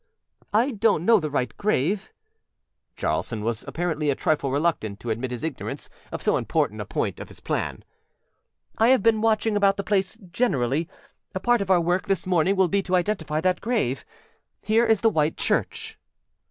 â âI donât know the right grave.â Jaralson was apparently a trifle reluctant to admit his ignorance of so important a point of his plan. âI have been watching about the place generally. A part of our work this morning will be to identify that grave. Here is the White Church.